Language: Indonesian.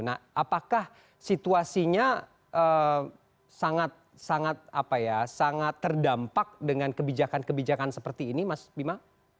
nah apakah situasinya sangat terdampak dengan kebijakan kebijakan seperti ini mas bima